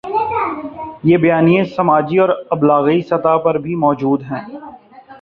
یہ بیانیے سماجی اور ابلاغی سطح پر بھی موجود ہیں۔